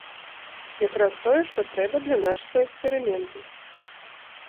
Якраз тое, што трэба для нашага эксперыменту!